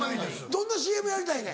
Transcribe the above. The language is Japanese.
どんなＣＭやりたいねん？